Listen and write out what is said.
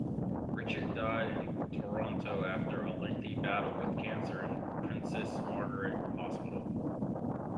Rittich died in Toronto after a lengthy battle with Cancer in Princess Margaret Hospital.